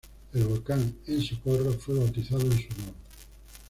El volcán en Socorro fue bautizado en su honor.